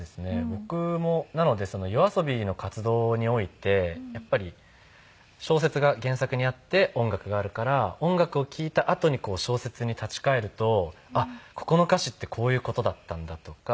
僕もなのでＹＯＡＳＯＢＩの活動においてやっぱり小説が原作にあって音楽があるから音楽を聴いたあとに小説に立ち返るとあっここの歌詞ってこういう事だったんだとか。